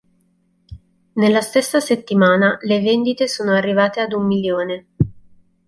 Nella stessa settimana, le vendite sono arrivate ad un milione.